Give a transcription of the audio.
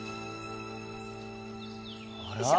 あら？